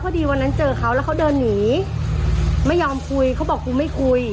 คือมันทำเราหมดตัวชีวิตเราพัง